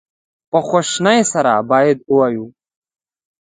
په خواشینی سره باید ووایو.